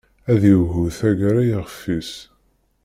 Ad yewɛu taggara ixef-is.